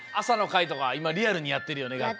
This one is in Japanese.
朝の会とかいまリアルにやってるよね？